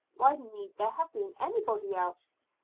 Why need there have been anybody else?